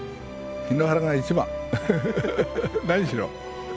檜原が一番何しろ。